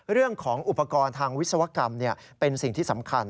เรื่องของอุปกรณ์ทางวิศวกรรมเป็นสิ่งที่สำคัญ